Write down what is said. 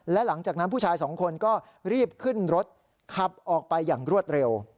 และหลังจากนั้นผู้ชายสองคนก็รีบขึ้นรถขับออกไปอย่างรวดเร็ว